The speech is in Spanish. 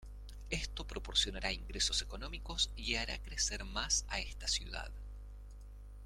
Esto proporcionará ingresos económicos y hará crecer más a esta ciudad.